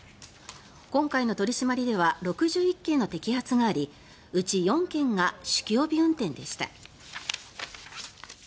今回の取り締まりでは６１件の摘発がありうち４件が酒気帯び運転でした。